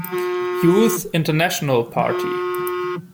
Youth International Party